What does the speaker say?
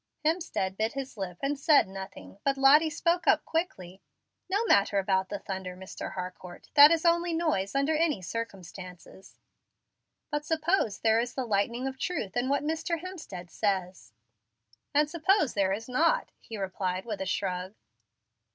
Hemstead bit his lip and said nothing, but Lottie spoke up quickly: "No matter about the 'thunder,' Mr. Harcourt. That is only noise under any circumstances. But suppose there is the lightning of truth in what Mr. Hemstead says?" "And suppose there is not?" he replied, with a shrug.